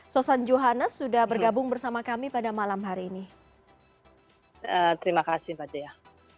sosan johannes sudah bergabung bersama kami pada malam hari ini terima kasih fathia